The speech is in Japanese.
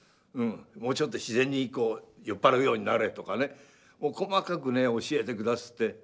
もうちょっと自然に酔っ払うようになれ」とかねもう細かくね教えてくだすって。